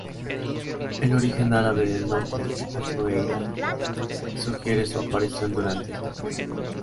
El origen árabe del nombre Albufeira sugiere su aparición durante este periodo.